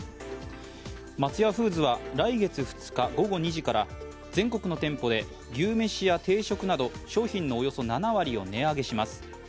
松屋フーズは来月２日午後２時から全国の店舗で牛めしや定食など商品のおよそ７割を値上げします。